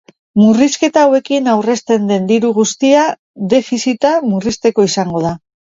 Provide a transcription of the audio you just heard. Murrizketa hauekin aurrezten den diru guztia defizita murrizteko izango da.